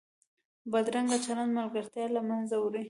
بدرنګه چلند ملګرتیا له منځه وړي